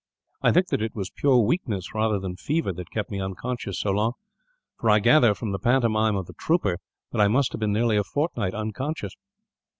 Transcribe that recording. I think that it was pure weakness, rather than fever, that kept me unconscious so long; for I gather, from the pantomime of the trooper, that I must have been nearly a fortnight unconscious."